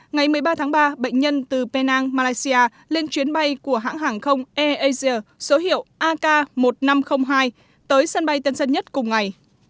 ngày một mươi ba tháng ba bệnh nhân từ penang malaysia lên chuyến bay của hãng hàng không airasia số hiệu ak một nghìn năm trăm linh hai tới sân bay tân sân nhất cùng ngày